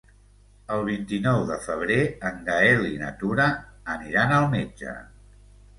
El vint-i-nou de febrer en Gaël i na Tura aniran al metge.